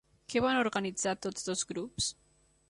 Què van organitzar tots dos grups?